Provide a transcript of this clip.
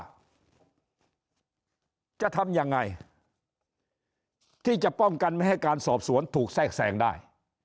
ว่าจะทำยังไงที่จะป้องกันไม่ให้การสอบสวนถูกแทรกแทรงได้